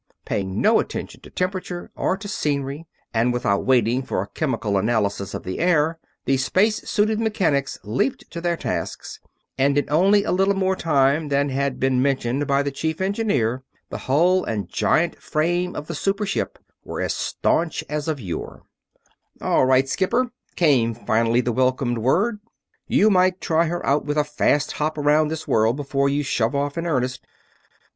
Paying no attention to temperature or to scenery and without waiting for chemical analysis of the air, the space suited mechanics leaped to their tasks; and in only a little more time than had been mentioned by the chief engineer the hull and giant frame of the super ship were as staunch as of yore. "All right, Skipper!" came finally the welcome word. "You might try her out with a fast hop around this world before you shove off in earnest."